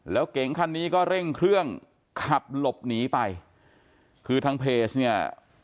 แล้วเก๋งคันนี้ก็เร่งเครื่องขับหลบหนีไปคือทางเพจเนี่ย